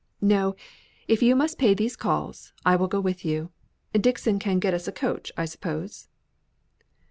No; if you must make these calls, I will go with you. Dixon can get us a coach, I suppose?"